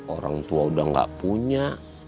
orang tua udah gak punya